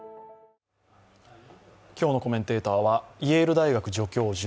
今日のコメンテーターはイェール大学助教授